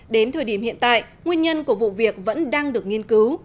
đến thời điểm hiện tại nguyên nhân của vụ việc vẫn đang được nghiên cứu